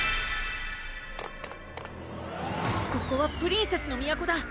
ここはプリンセスの都だ